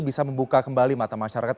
bisa membuka kembali mata masyarakat